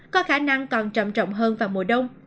có khả năng còn trầm trọng hơn vào mùa đông